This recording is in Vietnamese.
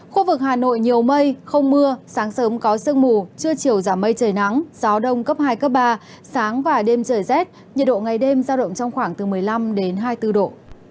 khu vực hà nội nhiều mây không mưa sáng sớm có sương mù trưa chiều giảm mây trời nắng gió đông cấp hai cấp ba sáng và đêm trời rét nhiệt độ ngày đêm giao động trong khoảng từ một mươi năm đến hai mươi bốn độ